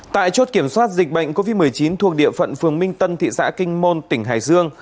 tại chốt kiểm soát dịch bệnh covid một mươi chín thuộc địa phận phường minh tân thị xã kinh môn tỉnh hải dương